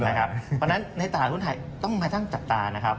เพราะฉะนั้นในตลาดหุ้นไทยต้องมาทั้งจับตานะครับ